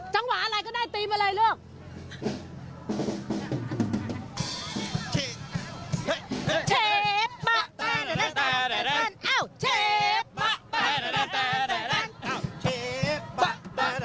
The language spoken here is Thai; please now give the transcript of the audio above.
จังหวะอะไรก็ได้ธีมอะไรลูก